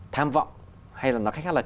tham vọng hay là nói cách khác là